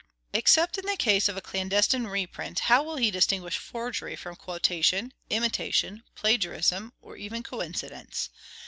Except in the case of a clandestine reprint, how will he distinguish forgery from quotation, imitation, plagiarism, or even coincidence?